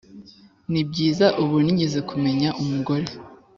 nibyiza ubu nigeze kumenya umugore